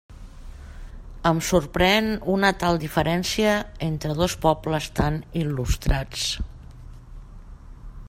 Em sorprèn una tal diferència entre dos pobles tan il·lustrats.